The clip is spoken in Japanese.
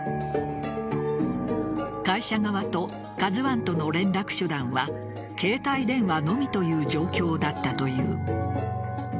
会社側と「ＫＡＺＵ１」との連絡手段は携帯電話のみという状況だったという。